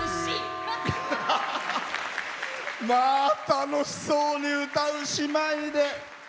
楽しそうに歌う姉妹で。